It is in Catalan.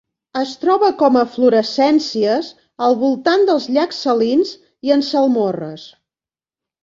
Es troba com eflorescències al voltant dels llacs salins i en salmorres.